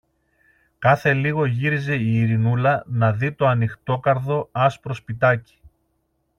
Κάθε λίγο γύριζε η Ειρηνούλα να δει το ανοιχτόκαρδο άσπρο σπιτάκι